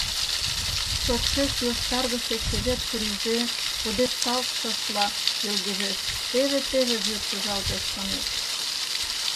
Шокшеш йошкаргыше чевер чурийже пудешталтшашла йылгыжеш, теве-теве вӱр шыжалтеш, шонет.